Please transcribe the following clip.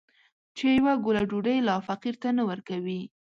چې يوه ګوله ډوډۍ لا فقير ته نه ورکوي.